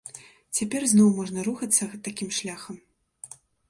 Цяпер зноў можна рухацца такім шляхам.